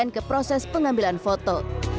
berikut adalah proses pengambilan foto